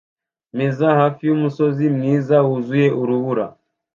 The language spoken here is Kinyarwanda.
meza hafi yumusozi mwiza wuzuye urubura